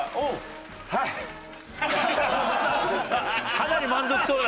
かなり満足そうだ。